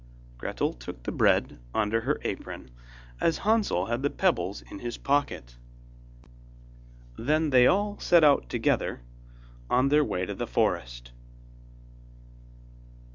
Gretel took the bread under her apron, as Hansel had the pebbles in his pocket. Then they all set out together on the way to the forest.